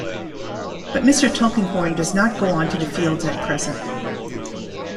But Mr. Tulkinghorn does not go on to the Fields at present.